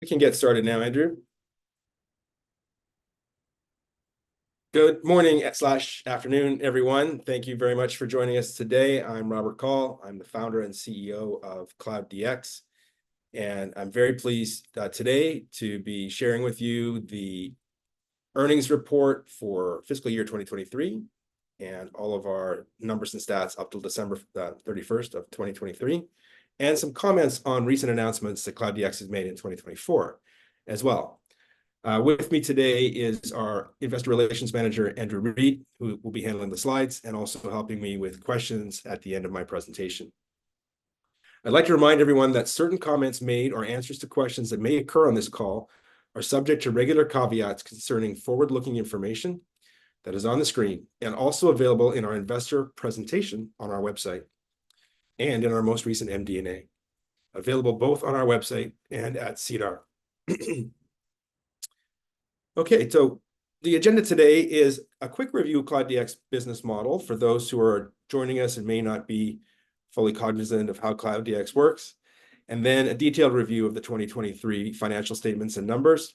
We can get started now, Andrew. Good morning slash afternoon, everyone. Thank you very much for joining us today. I'm Robert Kaul. I'm the founder and CEO of Cloud DX, and I'm very pleased today to be sharing with you the earnings report for fiscal year 2023, and all of our numbers and stats up till December 31st of 2023, and some comments on recent announcements that Cloud DX has made in 2024 as well. With me today is our investor relations manager, Andrew Reid, who will be handling the slides and also helping me with questions at the end of my presentation. I'd like to remind everyone that certain comments made or answers to questions that may occur on this call are subject to regular caveats concerning forward-looking information that is on the screen, and also available in our investor presentation on our website, and in our most recent MD&A, available both on our website and at SEDAR. Okay, so the agenda today is a quick review of Cloud DX business model for those who are joining us and may not be fully cognizant of how Cloud DX works. And then a detailed review of the 2023 financial statements and numbers,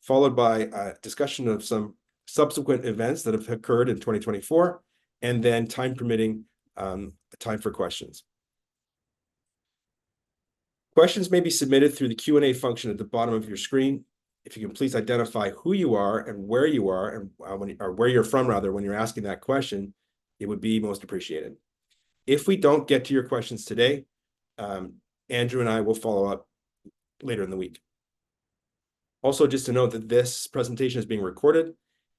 followed by a discussion of some subsequent events that have occurred in 2024, and then, time permitting, a time for questions. Questions may be submitted through the Q&A function at the bottom of your screen. If you can please identify who you are and where you are, and or where you're from, rather, when you're asking that question, it would be most appreciated. If we don't get to your questions today, Andrew and I will follow up later in the week. Also, just to note that this presentation is being recorded,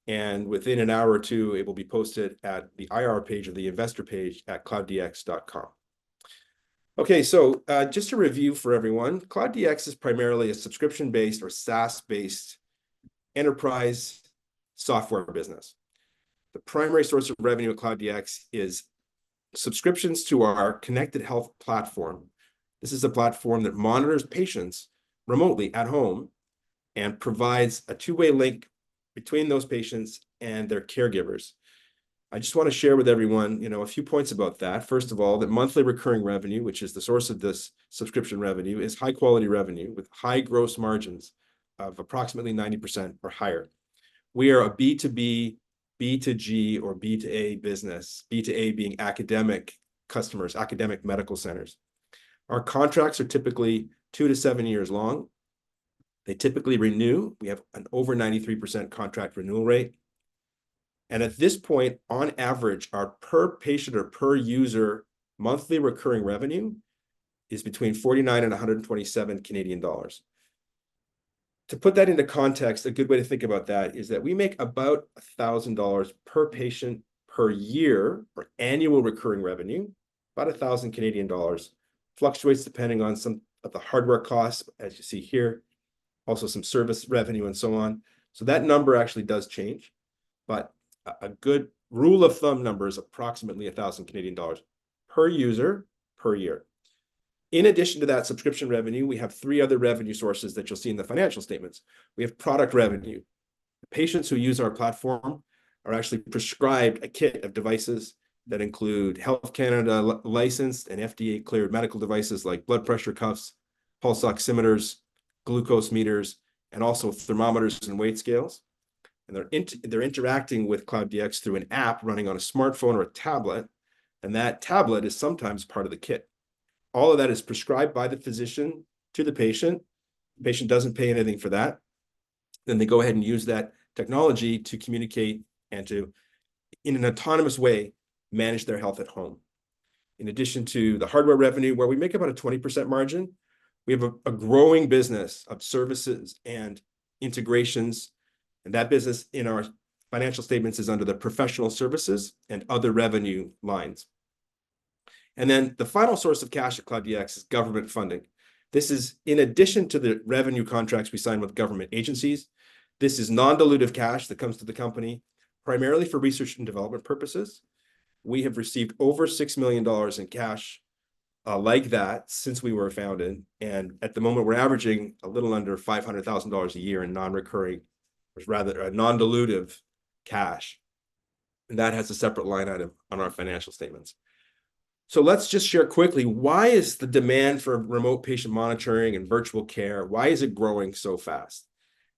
and within an hour or two, it will be posted at the IR page or the investor page at clouddx.com. Okay, so just to review for everyone, Cloud DX is primarily a subscription-based or SaaS-based enterprise software business. The primary source of revenue at Cloud DX is subscriptions to our connected health platform. This is a platform that monitors patients remotely at home and provides a two-way link between those patients and their caregivers. I just want to share with everyone, you know, a few points about that. First of all, that monthly recurring revenue, which is the source of this subscription revenue, is high-quality revenue, with high gross margins of approximately 90% or higher. We are a B2B, B2G, or B2A business, B2A being academic customers, academic medical centers. Our contracts are typically 2-7 years long. They typically renew. We have an over 93% contract renewal rate, and at this point, on average, our per-patient or per-user monthly recurring revenue is between 49 and 127 Canadian dollars. To put that into context, a good way to think about that is that we make about 1,000 dollars per patient per year, or annual recurring revenue. About 1,000 Canadian dollars. Fluctuates depending on some of the hardware costs, as you see here, also some service revenue and so on. So that number actually does change, but a good rule-of-thumb number is approximately 1,000 Canadian dollars per user, per year. In addition to that subscription revenue, we have 3 other revenue sources that you'll see in the financial statements. We have product revenue. The patients who use our platform are actually prescribed a kit of devices that include Health Canada-licensed and FDA-cleared medical devices like blood pressure cuffs, pulse oximeters, glucose meters, and also thermometers and weight scales. And they're interacting with Cloud DX through an app running on a smartphone or a tablet, and that tablet is sometimes part of the kit. All of that is prescribed by the physician to the patient. The patient doesn't pay anything for that. Then they go ahead and use that technology to communicate and to, in an autonomous way, manage their health at home. In addition to the hardware revenue, where we make about a 20% margin, we have a growing business of services and integrations, and that business in our financial statements is under the professional services and other revenue lines. And then the final source of cash at Cloud DX is government funding. This is in addition to the revenue contracts we sign with government agencies. This is non-dilutive cash that comes to the company, primarily for research and development purposes. We have received over 6 million dollars in cash, like that since we were founded, and at the moment, we're averaging a little under 500,000 dollars a year in non-recurring, or rather, a non-dilutive cash, and that has a separate line item on our financial statements. So let's just share quickly, why is the demand for remote patient monitoring and virtual care, why is it growing so fast?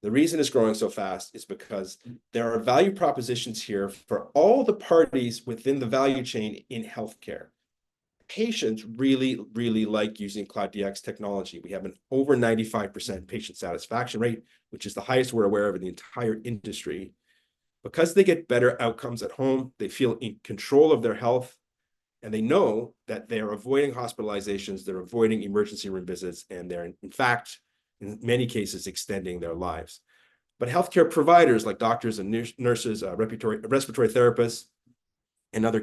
The reason it's growing so fast is because there are value propositions here for all the parties within the value chain in healthcare. Patients really, really like using Cloud DX technology. We have an over 95% patient satisfaction rate, which is the highest we're aware of in the entire industry. Because they get better outcomes at home, they feel in control of their health, and they know that they are avoiding hospitalizations, they're avoiding emergency room visits, and they're, in fact, in many cases, extending their lives. But healthcare providers, like doctors and nurses, respiratory therapists and other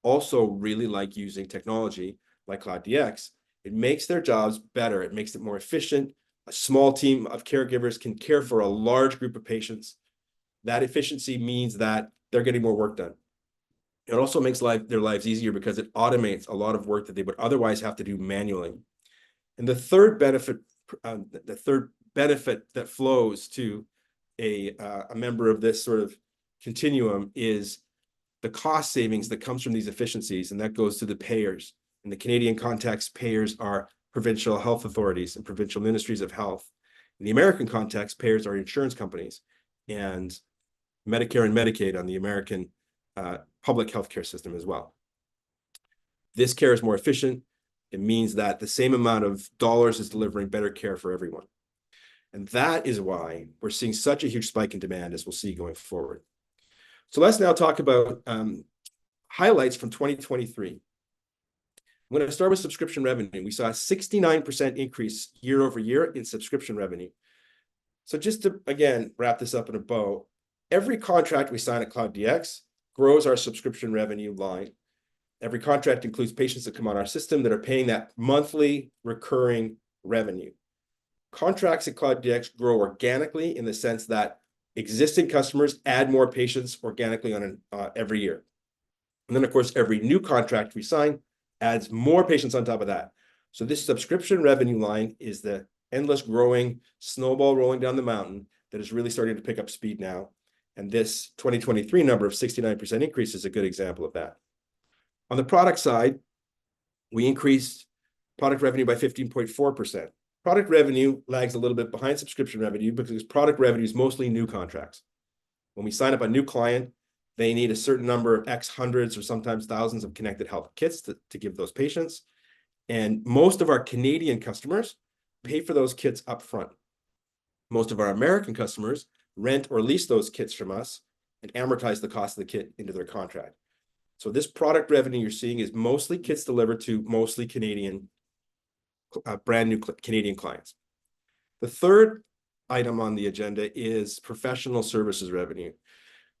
caregivers, also really like using technology by Cloud DX. It makes their jobs better. It makes it more efficient. A small team of caregivers can care for a large group of patients. That efficiency means that they're getting more work done. It also makes their lives easier because it automates a lot of work that they would otherwise have to do manually. And the third benefit that flows to a member of this sort of continuum is the cost savings that comes from these efficiencies, and that goes to the payers. In the Canadian context, payers are provincial health authorities and provincial ministries of health. In the American context, payers are insurance companies, and Medicare and Medicaid on the American public healthcare system as well. This care is more efficient. It means that the same amount of dollars is delivering better care for everyone, and that is why we're seeing such a huge spike in demand, as we'll see going forward. So let's now talk about highlights from 2023. I'm going to start with subscription revenue. We saw a 69% increase year-over-year in subscription revenue. So just to, again, wrap this up in a bow, every contract we sign at Cloud DX grows our subscription revenue line. Every contract includes patients that come on our system that are paying that monthly recurring revenue. Contracts at Cloud DX grow organically, in the sense that existing customers add more patients organically on an every year. And then, of course, every new contract we sign adds more patients on top of that. So this subscription revenue line is the endless growing snowball rolling down the mountain that is really starting to pick up speed now, and this 2023 number of 69% increase is a good example of that. On the product side, we increased product revenue by 15.4%. Product revenue lags a little bit behind subscription revenue because product revenue is mostly new contracts. When we sign up a new client, they need a certain number of X hundreds or sometimes thousands of Connected Health kits to give those patients, and most of our Canadian customers pay for those kits upfront. Most of our American customers rent or lease those kits from us and amortize the cost of the kit into their contract. So this product revenue you're seeing is mostly kits delivered to mostly Canadian brand-new Canadian clients. The third item on the agenda is professional services revenue.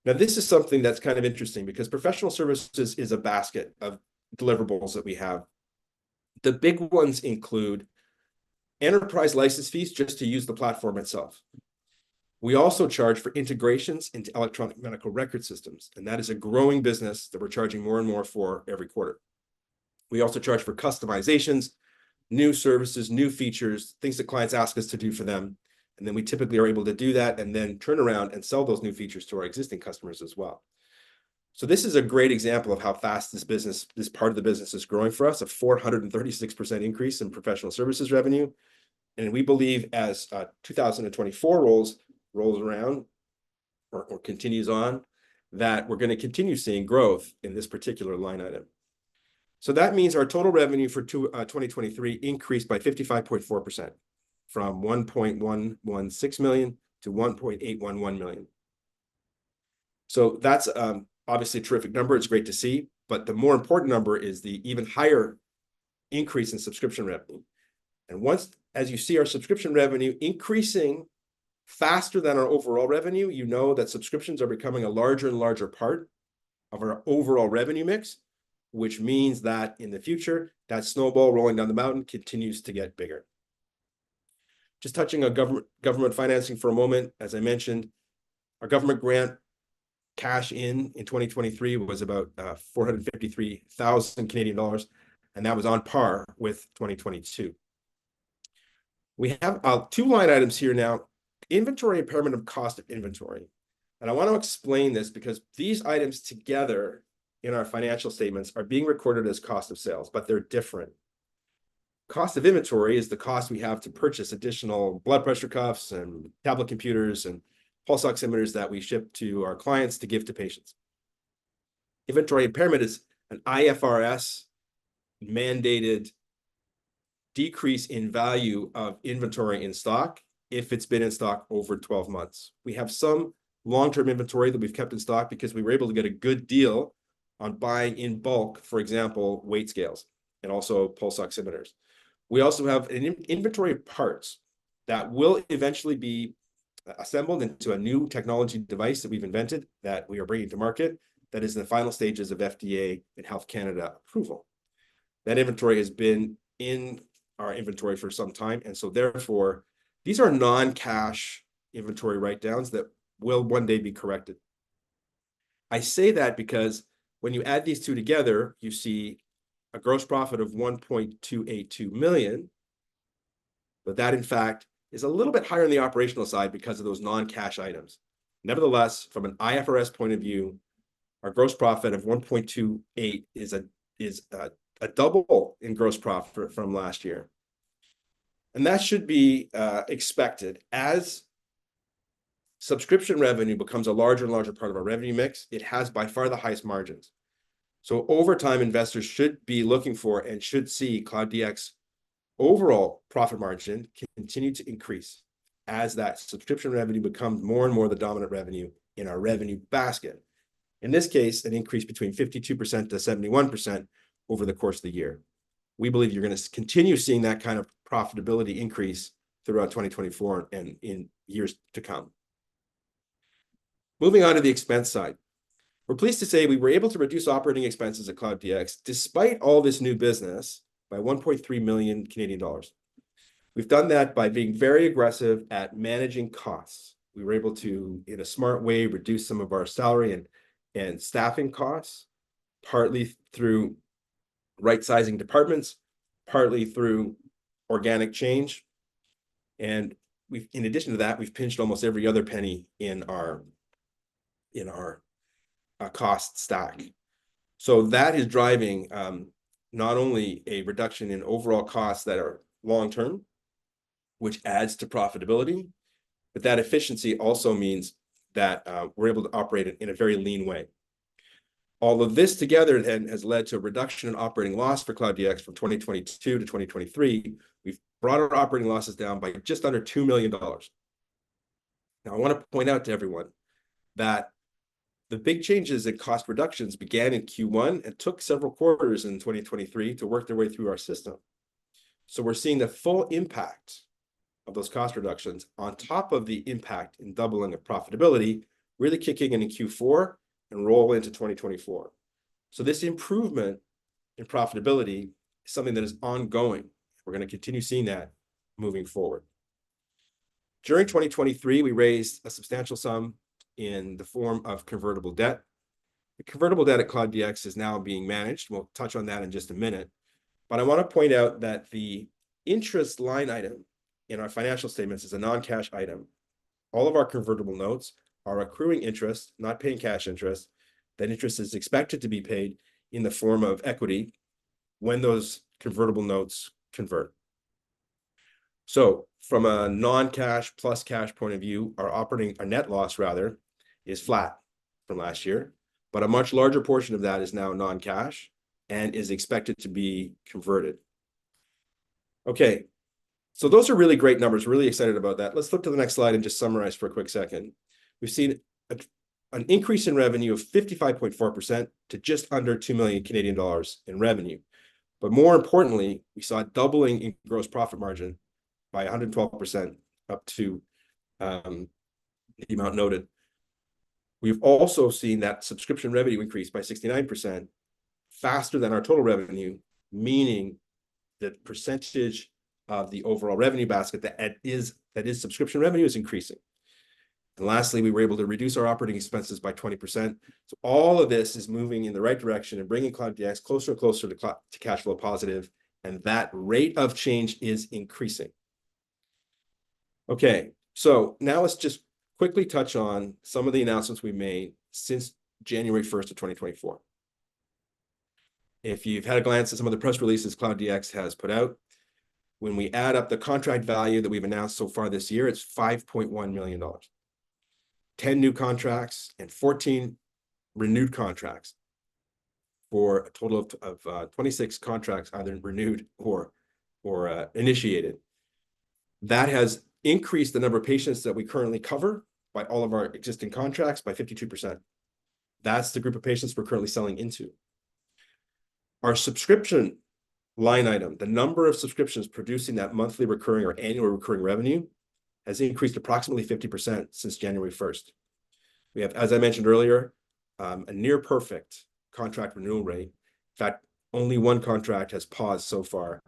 Now, this is something that's kind of interesting, because professional services is a basket of deliverables that we have. The big ones include enterprise license fees, just to use the platform itself. We also charge for integrations into electronic medical record systems, and that is a growing business that we're charging more and more for every quarter. We also charge for customizations, new services, new features, things that clients ask us to do for them, and then we typically are able to do that, and then turn around and sell those new features to our existing customers as well. So this is a great example of how fast this business, this part of the business, is growing for us, a 436% increase in professional services revenue. We believe, as 2024 rolls around, or continues on, that we're going to continue seeing growth in this particular line item. That means our total revenue for 2023 increased by 55.4%, from 1.116 million to 1.811 million. That's obviously a terrific number, it's great to see, but the more important number is the even higher increase in subscription revenue. As you see our subscription revenue increasing faster than our overall revenue, you know that subscriptions are becoming a larger and larger part of our overall revenue mix, which means that in the future, that snowball rolling down the mountain continues to get bigger. Just touching on government, government financing for a moment, as I mentioned, our government grant cash-in in 2023 was about 453,000 Canadian dollars, and that was on par with 2022. We have two line items here now, inventory impairment of cost of inventory, and I want to explain this, because these items together, in our financial statements, are being recorded as cost of sales, but they're different. Cost of inventory is the cost we have to purchase additional blood pressure cuffs and tablet computers and pulse oximeters that we ship to our clients to give to patients. Inventory impairment is an IFRS-mandated decrease in value of inventory in stock if it's been in stock over 12 months. We have some long-term inventory that we've kept in stock because we were able to get a good deal on buying in bulk, for example, weight scales and also pulse oximeters. We also have an inventory of parts that will eventually be assembled into a new technology device that we've invented, that we are bringing to market, that is in the final stages of FDA and Health Canada approval. That inventory has been in our inventory for some time, and so therefore, these are non-cash inventory write-downs that will one day be corrected. I say that because when you add these two together, you see a gross profit of 1.282 million, but that, in fact, is a little bit higher on the operational side because of those non-cash items. Nevertheless, from an IFRS point of view, our gross profit of 1.28 is a double in gross profit from last year, and that should be expected. As subscription revenue becomes a larger and larger part of our revenue mix, it has by far the highest margins. So over time, investors should be looking for, and should see, Cloud DX overall profit margin continue to increase as that subscription revenue becomes more and more the dominant revenue in our revenue basket. In this case, an increase between 52%-71% over the course of the year. We believe you're going to continue seeing that kind of profitability increase throughout 2024 and in years to come. Moving on to the expense side. We're pleased to say we were able to reduce operating expenses at Cloud DX, despite all this new business, by 1.3 million Canadian dollars. We've done that by being very aggressive at managing costs. We were able to, in a smart way, reduce some of our salary and staffing costs, partly through right-sizing departments, partly through organic change, and we've, in addition to that, pinched almost every other penny in our cost stack. So that is driving not only a reduction in overall costs that are long-term, which adds to profitability, but that efficiency also means that we're able to operate in a very lean way. All of this together then has led to a reduction in operating loss for Cloud DX from 2022 to 2023. We've brought our operating losses down by just under 2 million dollars. Now, I want to point out to everyone that the big changes in cost reductions began in Q1 and took several quarters in 2023 to work their way through our system. So we're seeing the full impact of those cost reductions on top of the impact in doubling of profitability, really kicking in in Q4 and roll into 2024. So this improvement in profitability is something that is ongoing. We're going to continue seeing that moving forward. During 2023, we raised a substantial sum in the form of convertible debt. The convertible debt at Cloud DX is now being managed. We'll touch on that in just a minute, but I want to point out that the interest line item in our financial statements is a non-cash item. All of our convertible notes are accruing interest, not paying cash interest. That interest is expected to be paid in the form of equity when those convertible notes convert. So from a non-cash plus cash point of view, our operating, our net loss rather, is flat from last year, but a much larger portion of that is now non-cash and is expected to be converted. Okay, so those are really great numbers, really excited about that. Let's flip to the next slide and just summarize for a quick second. We've seen an increase in revenue of 55.4% to just under 2 million Canadian dollars in revenue, but more importantly, we saw a doubling in gross profit margin by 112%, up to the amount noted. We've also seen that subscription revenue increase by 69%, faster than our total revenue, meaning the percentage of the overall revenue basket that is subscription revenue is increasing. Lastly, we were able to reduce our operating expenses by 20%. All of this is moving in the right direction and bringing Cloud DX closer and closer to cash flow positive, and that rate of change is increasing. Okay, now let's just quickly touch on some of the announcements we've made since January first of 2024. If you've had a glance at some of the press releases Cloud DX has put out, when we add up the contract value that we've announced so far this year, it's 5.1 million dollars. 10 new contracts and 14 renewed contracts, for a total of 26 contracts, either renewed or initiated. That has increased the number of patients that we currently cover by all of our existing contracts by 52%. That's the group of patients we're currently selling into. Our subscription line item, the number of subscriptions producing that monthly recurring or annual recurring revenue, has increased approximately 50% since January first. We have, as I mentioned earlier, a near perfect contract renewal rate. In fact, only one contract has paused so far,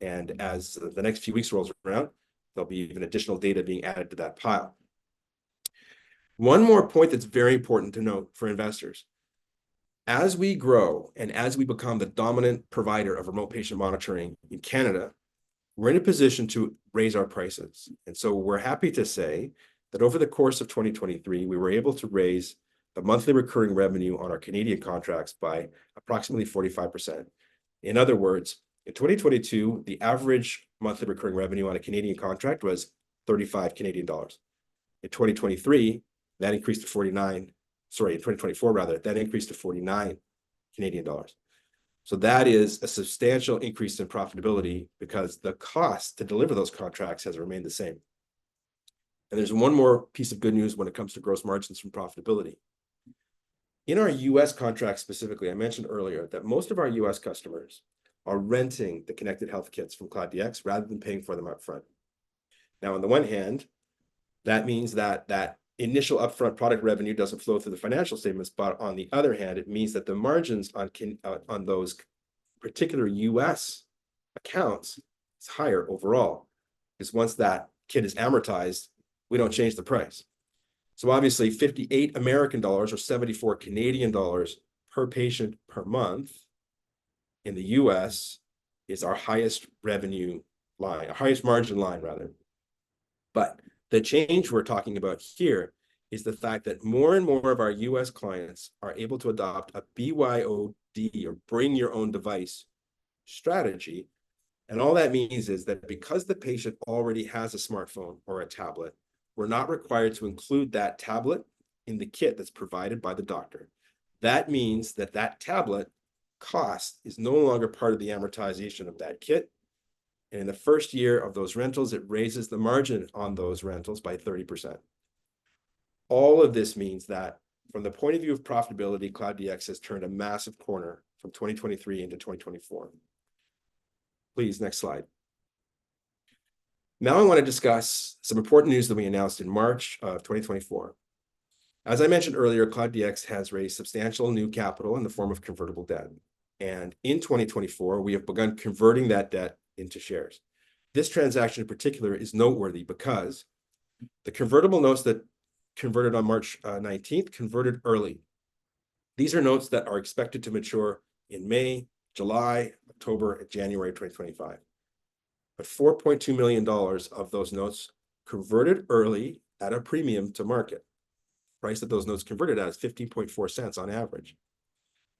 and as the next few weeks rolls around, there'll be even additional data being added to that pile. One more point that's very important to note for investors: as we grow and as we become the dominant provider of remote patient monitoring in Canada, we're in a position to raise our prices. We're happy to say that over the course of 2023, we were able to raise the monthly recurring revenue on our Canadian contracts by approximately 45%. In other words, in 2022, the average monthly recurring revenue on a Canadian contract was 35 Canadian dollars. In 2023, that increased to 49... Sorry, in 2024, rather, that increased to 49 Canadian dollars. So that is a substantial increase in profitability because the cost to deliver those contracts has remained the same. And there's one more piece of good news when it comes to gross margins from profitability. In our US contracts specifically, I mentioned earlier that most of our US customers are renting the Connected Health kits from Cloud DX, rather than paying for them upfront. Now, on the one hand, that means that that initial upfront product revenue doesn't flow through the financial statements, but on the other hand, it means that the margins on Canadian, on those particular US accounts is higher overall, 'cause once that kit is amortized, we don't change the price. So obviously, $58 or 74 Canadian dollars per patient per month in the US is our highest revenue line, our highest margin line, rather. But the change we're talking about here is the fact that more and more of our US clients are able to adopt a BYOD, or bring your own device, strategy. And all that means is that because the patient already has a smartphone or a tablet, we're not required to include that tablet in the kit that's provided by the doctor. That means that that tablet cost is no longer part of the amortization of that kit, and in the first year of those rentals, it raises the margin on those rentals by 30%. All of this means that from the point of view of profitability, Cloud DX has turned a massive corner from 2023 into 2024. Please, next slide. Now, I want to discuss some important news that we announced in March 2024. As I mentioned earlier, Cloud DX has raised substantial new capital in the form of convertible debt, and in 2024, we have begun converting that debt into shares. This transaction, in particular, is noteworthy because the convertible notes that converted on March 19 converted early. These are notes that are expected to mature in May, July, October, and January 2025. But 4.2 million dollars of those notes converted early at a premium to market. Price that those notes converted at is 0.504 on average.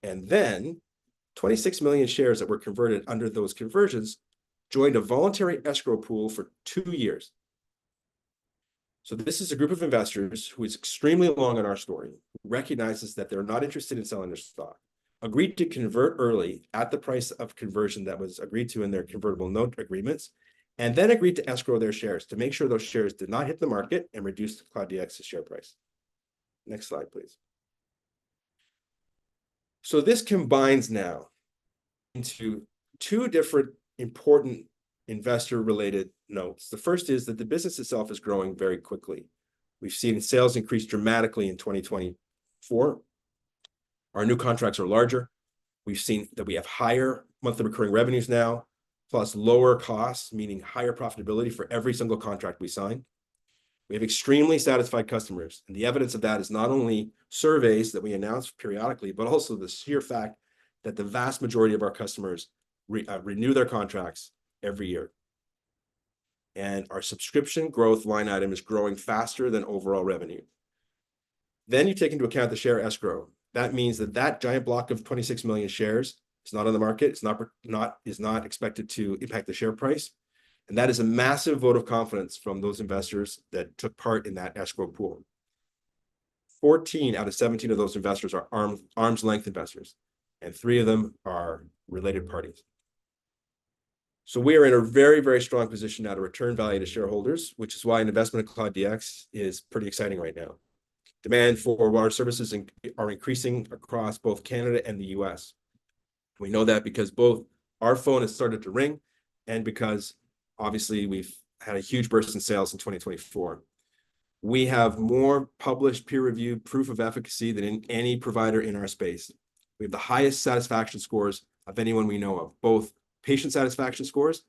And then, 26 million shares that were converted under those conversions joined a voluntary escrow pool for 2 years. So this is a group of investors who is extremely long on our story, recognizes that they're not interested in selling their stock, agreed to convert early at the price of conversion that was agreed to in their convertible note agreements, and then agreed to escrow their shares to make sure those shares did not hit the market and reduce Cloud DX's share price. Next slide, please. So this combines now into two different important investor-related notes. The first is that the business itself is growing very quickly. We've seen sales increase dramatically in 2024. Our new contracts are larger. We've seen that we have higher monthly recurring revenues now, plus lower costs, meaning higher profitability for every single contract we sign. We have extremely satisfied customers, and the evidence of that is not only surveys that we announce periodically, but also the sheer fact that the vast majority of our customers renew their contracts every year. Our subscription growth line item is growing faster than overall revenue. You take into account the share escrow. That means that that giant block of 26 million shares is not on the market, it's not expected to impact the share price, and that is a massive vote of confidence from those investors that took part in that escrow pool. 14 out of 17 of those investors are arm's length investors, and three of them are related parties. So we are in a very, very strong position now to return value to shareholders, which is why an investment in Cloud DX is pretty exciting right now. Demand for our services are increasing across both Canada and the U.S. We know that because both our phone has started to ring and because obviously we've had a huge burst in sales in 2024. We have more published peer-reviewed proof of efficacy than any provider in our space. We have the highest satisfaction scores of anyone we know of, both patient satisfaction scores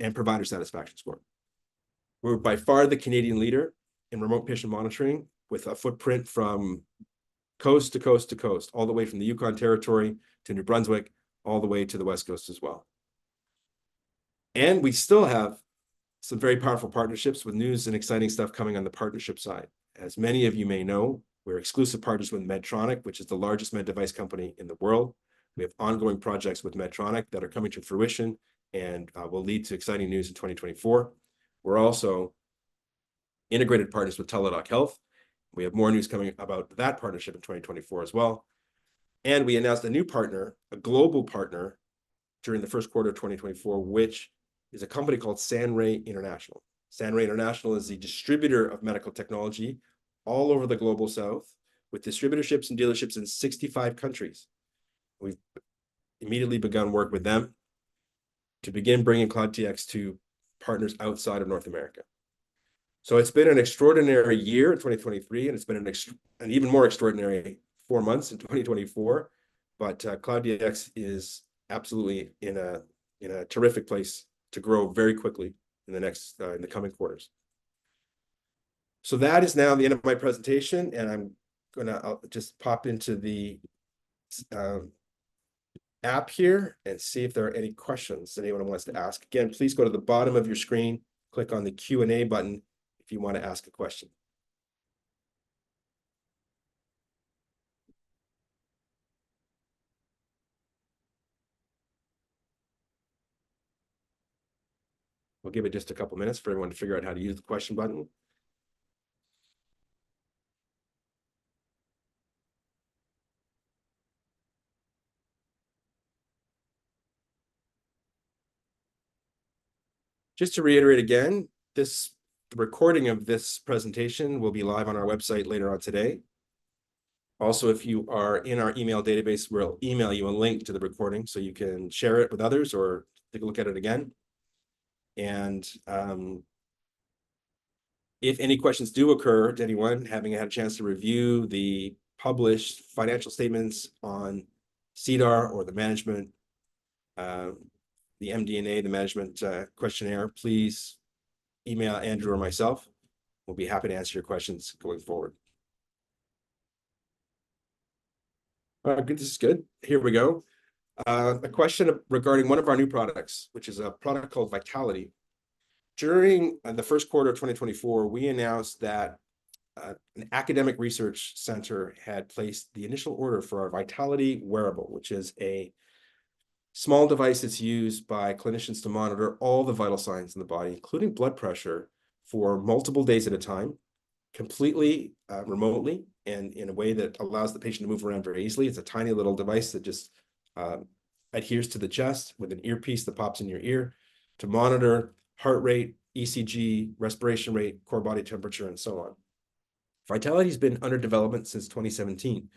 and provider satisfaction score. We're by far the Canadian leader in remote patient monitoring, with a footprint from coast to coast to coast, all the way from the Yukon Territory to New Brunswick, all the way to the West Coast as well. And we still have some very powerful partnerships, with news and exciting stuff coming on the partnership side. As many of you may know, we're exclusive partners with Medtronic, which is the largest med device company in the world. We have ongoing projects with Medtronic that are coming to fruition and will lead to exciting news in 2024. We're also integrated partners with Teladoc Health. We have more news coming about that partnership in 2024 as well. And we announced a new partner, a global partner, during the Q1 of 2024, which is a company called Sanrai International. Sanrai International is a distributor of medical technology all over the Global South, with distributorships and dealerships in 65 countries. We've immediately begun work with them to begin bringing Cloud DX to partners outside of North America. So it's been an extraordinary year in 2023, and it's been an even more extraordinary four months in 2024, but, Cloud DX is absolutely in a terrific place to grow very quickly in the next, in the coming quarters. So that is now the end of my presentation, and I'm going to. I'll just pop into the app here and see if there are any questions anyone wants to ask. Again, please go to the bottom of your screen, click on the Q&A button if you want to ask a question. We'll give it just a couple minutes for everyone to figure out how to use the question button. Just to reiterate again, this recording of this presentation will be live on our website later on today. Also, if you are in our email database, we'll email you a link to the recording, so you can share it with others or take a look at it again. And, if any questions do occur to anyone, having had a chance to review the published financial statements on SEDAR, or the management, the MD&A, the management, questionnaire, please email Andrew or myself. We'll be happy to answer your questions going forward. A question regarding one of our new products, which is a product called Vitaliti. During the Q1 of 2024, we announced that, an academic research centre had placed the initial order for our Vitaliti wearable, which is a small device that's used by clinicians to monitor all the vital signs in the body, including blood pressure, for multiple days at a time, completely, remotely, and in a way that allows the patient to move around very easily. It's a tiny little device that just, adheres to the chest, with an earpiece that pops in your ear, to monitor heart rate, ECG, respiration rate, core body temperature, and so on. Vitaliti's been under development since 2017,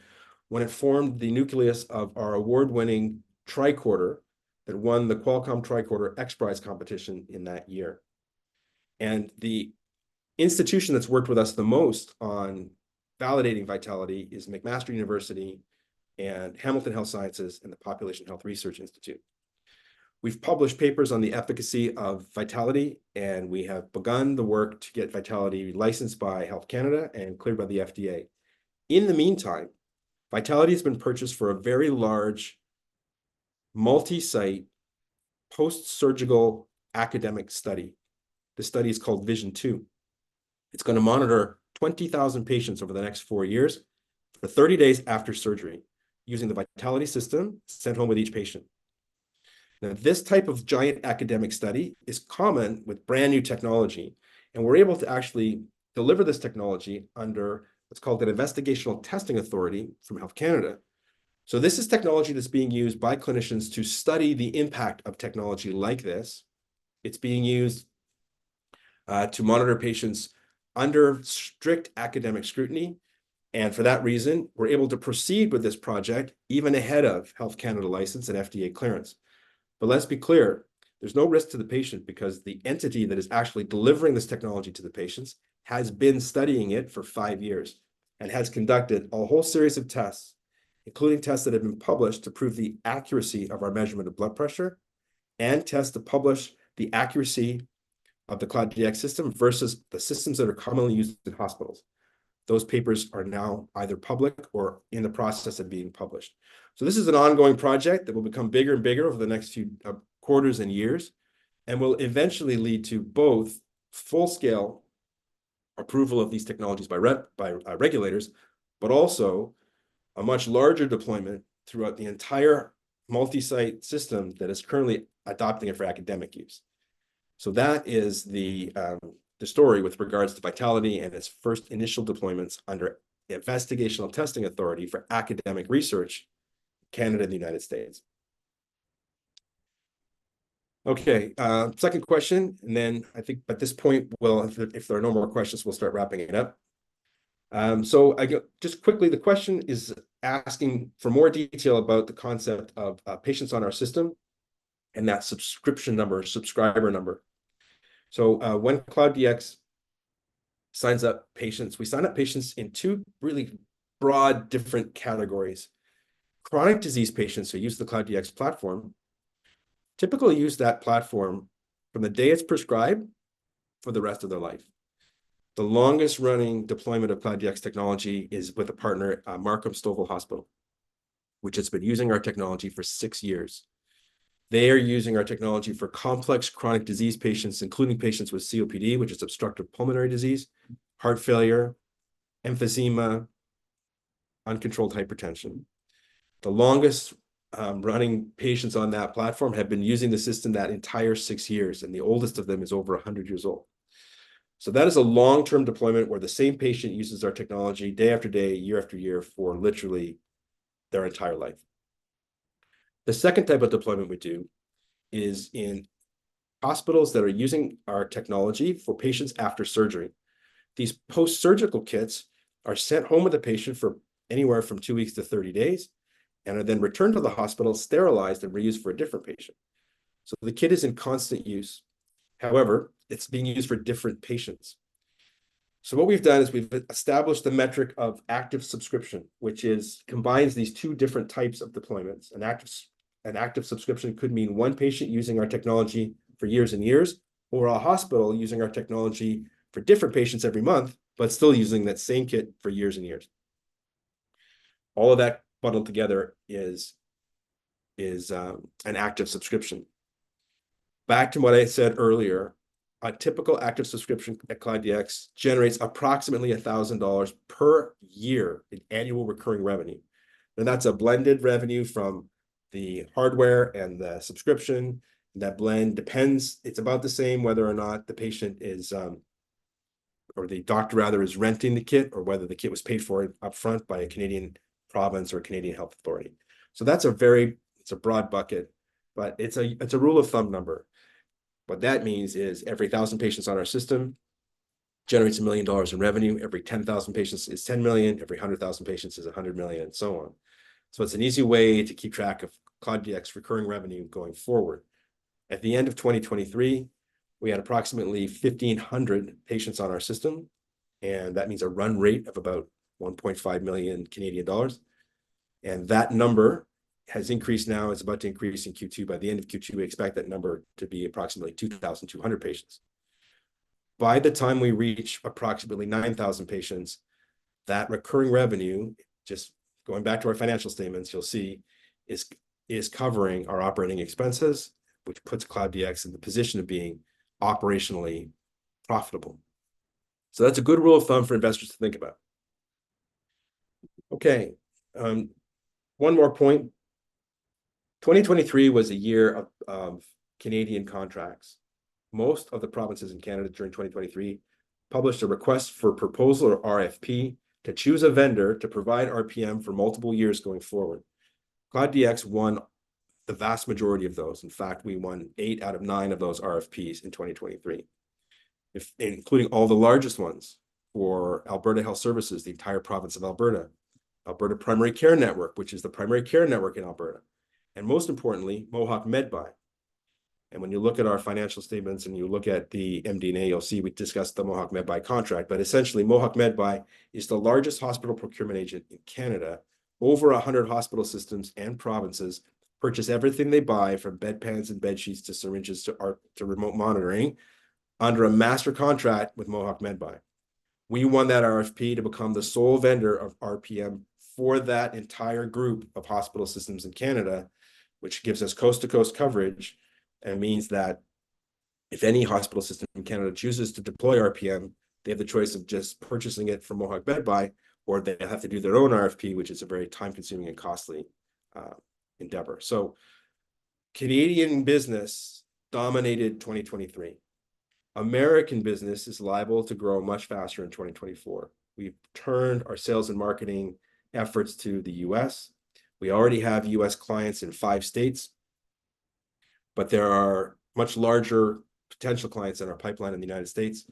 when it formed the nucleus of our award-winning tricorder that won the Qualcomm Tricorder XPRIZE competition in that year. The institution that's worked with us the most on validating Vitaliti is McMaster University and Hamilton Health Sciences and the Population Health Research Institute. We've published papers on the efficacy of Vitaliti, and we have begun the work to get Vitaliti licensed by Health Canada and cleared by the FDA. In the meantime, Vitaliti has been purchased for a very large, multi-site, post-surgical academic study. This study is called Vision Two. It's going to monitor 20,000 patients over the next 4 years for 30 days after surgery, using the Vitaliti system sent home with each patient. Now, this type of giant academic study is common with brand-new technology, and we're able to actually deliver this technology under what's called an Investigational Testing Authority from Health Canada. So this is technology that's being used by clinicians to study the impact of technology like this. It's being used to monitor patients under strict academic scrutiny, and for that reason, we're able to proceed with this project, even ahead of Health Canada license and FDA clearance. But let's be clear, there's no risk to the patient because the entity that is actually delivering this technology to the patients has been studying it for five years and has conducted a whole series of tests, including tests that have been published, to prove the accuracy of our measurement of blood pressure, and tests to publish the accuracy of the Cloud DX system versus the systems that are commonly used in hospitals. Those papers are now either public or in the process of being published. So this is an ongoing project that will become bigger and bigger over the next few quarters and years, and will eventually lead to both full-scale approval of these technologies by regulators, but also a much larger deployment throughout the entire multi-site system that is currently adopting it for academic use. So that is the story with regards to Vitaliti and its first initial deployments under the Investigational Testing Authority for academic research, Canada and the United States. Okay, second question, and then I think at this point, we'll... If there are no more questions, we'll start wrapping it up. Just quickly, the question is asking for more detail about the concept of patients on our system and that subscription number, subscriber number. So, when Cloud DX signs up patients, we sign up patients in two really broad, different categories. Chronic disease patients who use the Cloud DX platform typically use that platform from the day it's prescribed for the rest of their life. The longest-running deployment of Cloud DX technology is with a partner, Markham Stouffville Hospital, which has been using our technology for six years. They are using our technology for complex chronic disease patients, including patients with COPD, which is obstructive pulmonary disease, heart failure, emphysema, uncontrolled hypertension. The longest running patients on that platform have been using the system that entire six years, and the oldest of them is over 100 years old. So that is a long-term deployment, where the same patient uses our technology day after day, year after year, for literally their entire life. The second type of deployment we do is in hospitals that are using our technology for patients after surgery. These post-surgical kits are sent home with the patient for anywhere from 2 weeks to 30 days, and are then returned to the hospital, sterilized, and reused for a different patient. So the kit is in constant use. However, it's being used for different patients. So what we've done is we've established a metric of active subscription, which combines these two different types of deployments. An active subscription could mean one patient using our technology for years and years, or a hospital using our technology for different patients every month, but still using that same kit for years and years. All of that bundled together is an active subscription. Back to what I said earlier, a typical active subscription at Cloud DX generates approximately 1,000 dollars per year in annual recurring revenue, and that's a blended revenue from the hardware and the subscription. That blend depends. It's about the same whether or not the patient is or the doctor, rather, is renting the kit, or whether the kit was paid for upfront by a Canadian province or Canadian health authority. So that's it's a broad bucket, but it's a, it's a rule-of-thumb number. What that means is every 1,000 patients on our system generates 1 million dollars in revenue. Every 10,000 patients is 10 million, every 100,000 patients is 100 million, and so on. So it's an easy way to keep track of Cloud DX recurring revenue going forward. At the end of 2023, we had approximately 1,500 patients on our system, and that means a run rate of about 1.5 million Canadian dollars, and that number has increased now. It's about to increase in Q2. By the end of Q2, we expect that number to be approximately 2,200 patients. By the time we reach approximately 9,000 patients, that recurring revenue, just going back to our financial statements, you'll see, is, is covering our operating expenses, which puts Cloud DX in the position of being operationally profitable. So that's a good rule of thumb for investors to think about. Okay, one more point. 2023 was a year of Canadian contracts. Most of the provinces in Canada during 2023 published a request for proposal, or RFP, to choose a vendor to provide RPM for multiple years going forward. Cloud DX won the vast majority of those. In fact, we won eight out of nine of those RFPs in 2023. Including all the largest ones, for Alberta Health Services, the entire province of Alberta, Alberta Primary Care Network, which is the primary care network in Alberta, and most importantly, Mohawk Medbuy. And when you look at our financial statements and you look at the MD&A, you'll see we discussed the Mohawk Medbuy contract. But essentially, Mohawk Medbuy is the largest hospital procurement agent in Canada. Over 100 hospital systems and provinces purchase everything they buy, from bedpans and bedsheets to syringes to remote monitoring, under a master contract with Mohawk Medbuy. We won that RFP to become the sole vendor of RPM for that entire group of hospital systems in Canada, which gives us coast-to-coast coverage, and means that if any hospital system in Canada chooses to deploy RPM, they have the choice of just purchasing it from Mohawk Medbuy, or they have to do their own RFP, which is a very time-consuming and costly endeavor. So Canadian business dominated 2023. American business is liable to grow much faster in 2024. We've turned our sales and marketing efforts to the U.S. We already have U.S. clients in five states, but there are much larger potential clients in our pipeline in the United States,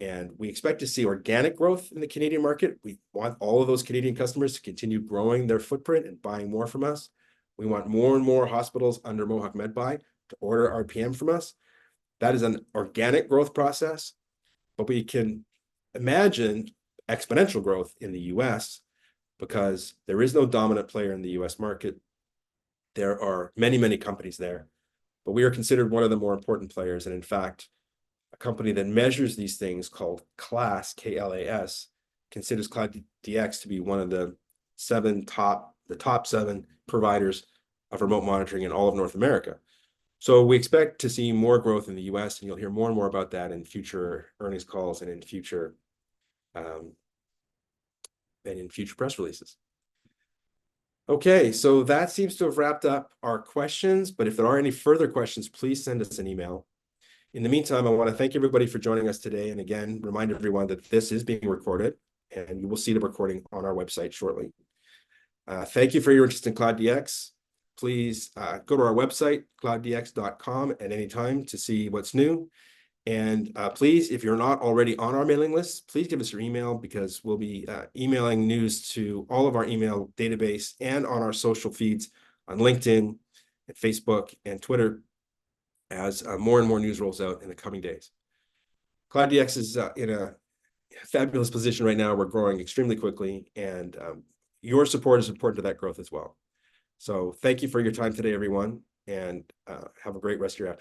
and we expect to see organic growth in the Canadian market. We want all of those Canadian customers to continue growing their footprint and buying more from us. We want more and more hospitals under Mohawk Medbuy to order RPM from us. That is an organic growth process, but we can imagine exponential growth in the U.S. because there is no dominant player in the U.S. market. There are many, many companies there, but we are considered one of the more important players, and in fact, a company that measures these things, called KLAS, considers Cloud DX to be one of the top seven providers of remote monitoring in all of North America. So we expect to see more growth in the U.S., and you'll hear more and more about that in future earnings calls and in future, and in future press releases. Okay, so that seems to have wrapped up our questions, but if there are any further questions, please send us an email. In the meantime, I want to thank everybody for joining us today, and again, remind everyone that this is being recorded, and you will see the recording on our website shortly. Thank you for your interest in Cloud DX. Please go to our website, cloudDX.com, at any time to see what's new. And please, if you're not already on our mailing list, please give us your email, because we'll be emailing news to all of our email database and on our social feeds, on LinkedIn and Facebook and Twitter, as more and more news rolls out in the coming days. Cloud DX is in a fabulous position right now. We're growing extremely quickly, and your support is important to that growth as well. So thank you for your time today, everyone, and have a great rest of your afternoon.